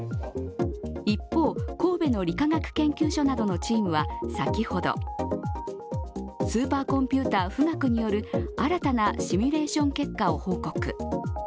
一方、神戸の理化学研究所などのチームは先ほどスーパーコンピューター・富岳による新たなシミュレーション結果を報告。